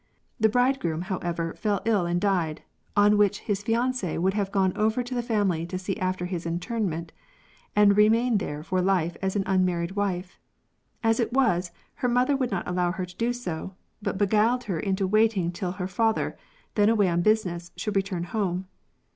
The bridegroom, however, fell ill and died, on which his ^aTicle would have gone over to the family to see after his interment, and remain there for life as an unmarried wife. As it was, her mother would not allow her to do so, but beguiled her into waiting till her father, then away on business, should return home.